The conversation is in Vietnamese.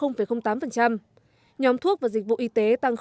nhóm thuốc và dịch vụ y tế tăng ba